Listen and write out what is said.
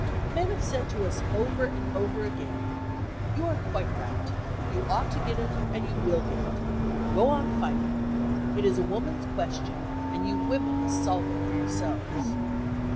Men have said to us over and over again, "You are quite right. You ought to get it, and you will get it. Go on fighting. It is a woman's question, and you women must solve it for yourselves."